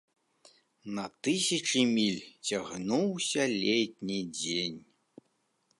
На тысячы міль цягнуўся летні дзень.